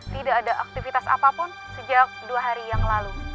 tidak ada aktivitas apapun sejak dua hari yang lalu